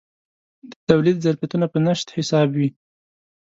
د تولید ظرفیتونه په نشت حساب وي.